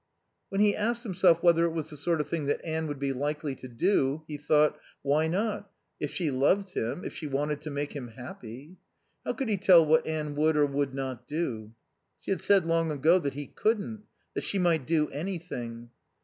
When he asked himself whether it was the sort of thing that Anne would be likely to do he thought: Why not, if she loved him, if she wanted to make him happy? How could he tell what Anne would or would not do? She had said long ago that he couldn't, that she might do anything.